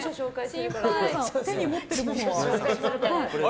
手に持っているものは？